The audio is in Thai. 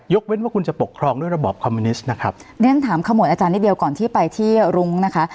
เว้นว่าคุณจะปกครองด้วยระบอบคอมมิวนิสต์นะครับเรียนถามขโมยอาจารย์นิดเดียวก่อนที่ไปที่รุ้งนะคะ